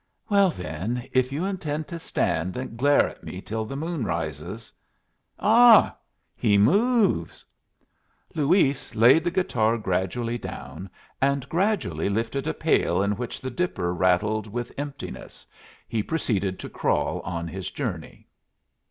Well, then, if you intend to stand and glare at me till the moon rises Ah! he moves!" Luis laid the guitar gradually down, and gradually lifting a pail in which the dipper rattled with emptiness, he proceeded to crawl on his journey.